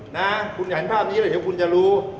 นะคุณเห็นภาพนี้แล้วเดี๋ยวคุณจะรู้